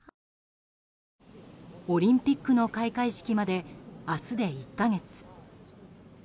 オリンピックの開会式まで明日で１か月。